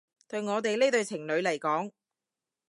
對我哋呢對情侶嚟講